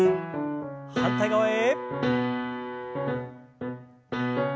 反対側へ。